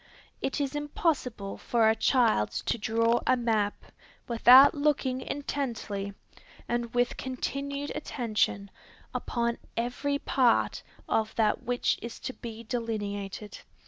It is impossible for a child to draw a map, without looking intently, and with continued attention, upon every part of that which is to be delineated.